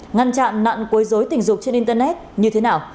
ngăn chặn nạn quấy dối tình dục trên internet như thế nào